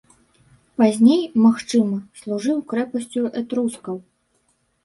Пазней, магчыма, служыў крэпасцю этрускаў.